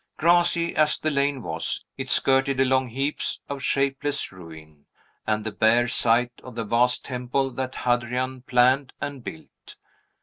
Grassy as the lane was, it skirted along heaps of shapeless ruin, and the bare site of the vast temple that Hadrian planned and built.